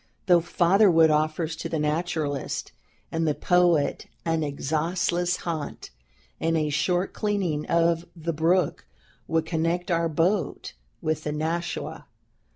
The farther wood offers to the naturalist and the poet an exhaustless haunt; and a short cleaning of the brook would connect our boat with the Nashua.